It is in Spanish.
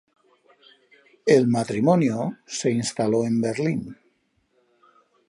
El matrimonio se instaló en Berlín.